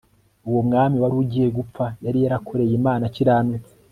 uwo mwami wari ugiye gupfa yari yarakoreye imana akiranutse